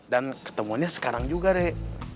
dan ketemuannya sekarang juga rek